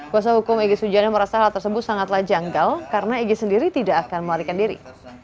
kuasa hukum egy sujana merasa hal tersebut sangatlah janggal karena eg sendiri tidak akan melarikan diri